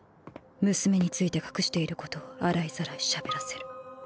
娘について隠していることを洗いざらいしゃべらせる。